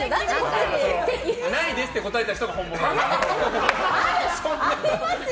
ないですって答えた人がありますよ！